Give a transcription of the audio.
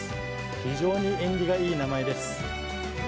非常に縁起がいい名前です。